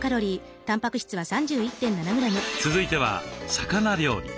続いては魚料理。